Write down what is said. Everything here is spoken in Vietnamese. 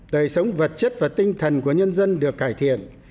đời sống vật chất và tinh thần của nhân dân được cải thiện